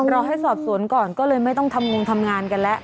รอให้สอบสวนก่อนก็เลยไม่ต้องทำงงทำงานกันแล้ว